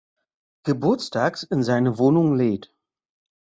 Geburtstags in seine Wohnung lädt.